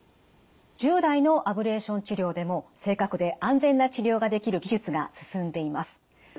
従来のアブレーション治療でも正確で安全な治療ができる技術が進んでいます。